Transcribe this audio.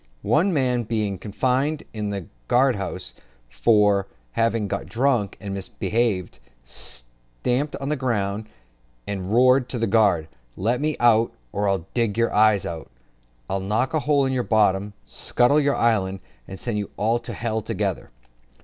One man being confined in the guardhouse for having got drunk and misbehaved, stamped on the ground, and roared to the guard, "Let me out, or, d nour eyes, I'll knock a hole in your bottom, scuttle your island, and send you all to h together."